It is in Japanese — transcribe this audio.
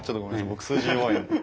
僕数字弱いんで。